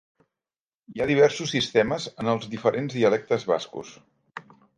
Hi ha diversos sistemes en els diferents dialectes bascos.